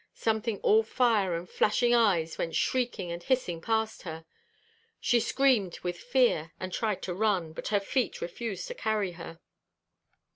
Something all fire and flashing eyes went shrieking and hissing past her. She screamed with fear, and tried to run, but her feet refused to carry her.